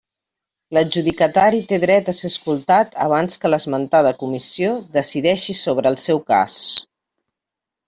L'adjudicatari té dret a ser escoltat abans que l'esmentada Comissió decideixi sobre el seu cas.